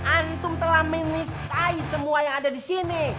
antum telah menistai semua yang ada disini